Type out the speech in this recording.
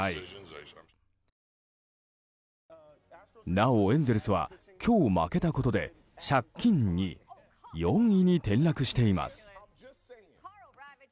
なお、エンゼルスは今日負けたことで借金２４位に転落しています。